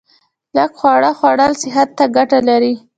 لږ خواړه خوړل صحت ته ګټه لري